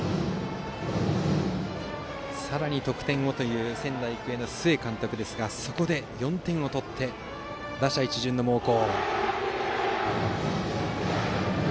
さらに得点をという仙台育英の須江監督ですがそこで、４点取って打者一巡の猛攻。